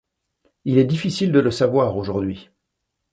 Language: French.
Il est difficile de le savoir aujourd'hui.